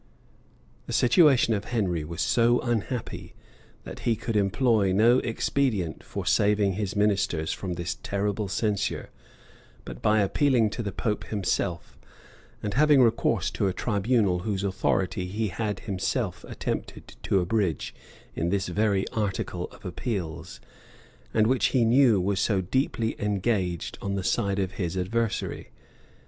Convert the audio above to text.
] The situation of Henry was so unhappy, that he could employ no expedient for saving his ministers from this terrible censure, but by appealing to the pope himself, and having recourse to a tribunal whose authority he had himself attempted to abridge in this very article of appeals, and which he knew was so deeply engaged on the side of his adversary.